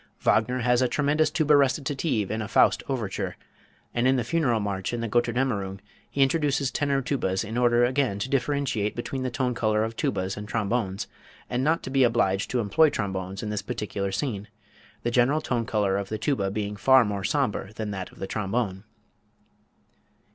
Wagner has a tremendous tuba recitative in a "Faust Overture," and in the Funeral March in the "Götterdämmerung" he introduces tenor tubas in order, again, to differentiate between the tone color of tubas and trombones and not to be obliged to employ trombones in this particular scene, the general tone color of the tuba being far more sombre than that of the trombone.